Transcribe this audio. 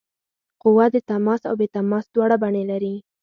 قوه د تماس او بې تماس دواړه بڼې لري.